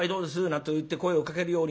なんといって声をかけるようになる。